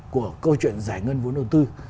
của câu chuyện giải ngân vốn đầu tư